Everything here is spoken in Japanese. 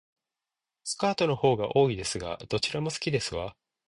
スカートの方が多いですが、どちらも好きですわ